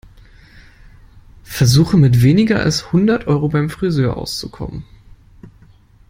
Versuche, mit weniger als hundert Euro beim Frisör auszukommen.